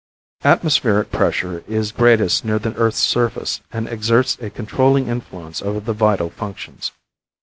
Atmospheric pressure is greatest near the earth's surface, and exerts a controlling influence over the vital functions.